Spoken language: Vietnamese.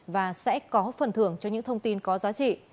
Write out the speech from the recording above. và sẽ có phần thưởng cho những thông tin có giá trị